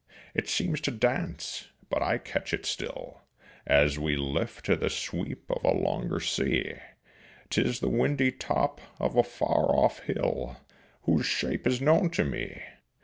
It seems to dance, but I catch it still As we lift to the sweep of a longer sea 'Tis the windy top of a far off hill Whose shape is known to me.